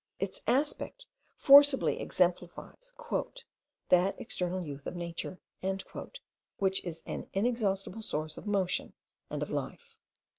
Its aspect forcibly exemplifies "that eternal youth of nature," which is an inexhaustible source of motion and of life.